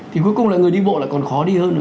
thì cuối cùng người đi bộ là còn khó đi hơn